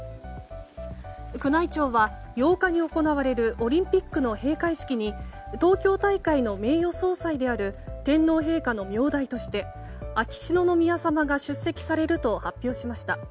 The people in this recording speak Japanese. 宮内庁は８日に行われるオリンピックの閉会式に東京大会の名誉総裁である天皇陛下の名代として秋篠宮さまが出席されると発表しました。